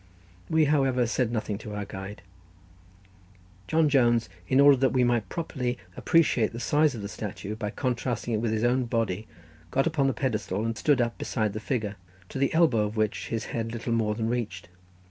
We, however, said nothing to our guide. John Jones, in order that we might properly appreciate the size of the statue by contrasting it with his own body, got upon the pedestal and stood up beside the figure, to the elbow of which his head little more than reached.